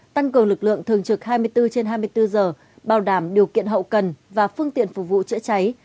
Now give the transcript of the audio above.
tăng cường lực lượng thường trực hai mươi bốn trên hai mươi bốn giờ bảo đảm điều kiện hậu cần và phương tiện phục vụ chữa cháy